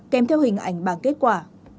kèm theo hình ảnh bằng kết quả